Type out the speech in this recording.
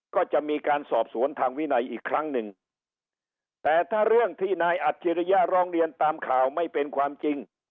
ก็จะมีการสอบสวนทางวินัยอีกครั้งหนึ่งแต่ถ้าเรื่องที่นายอัจฉริยะร้องเรียนตามข่าวไม่เป็นความจริง